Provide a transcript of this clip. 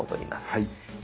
はい。